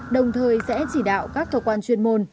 đồng thời sẽ chỉ đạo các cơ quan chuyên môn